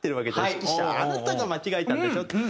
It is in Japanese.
「指揮者あなたが間違えたんでしょ？」。